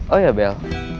oh ya bel